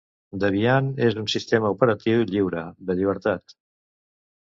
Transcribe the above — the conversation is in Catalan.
Debian és un sistema operatiu lliure, de llibertat.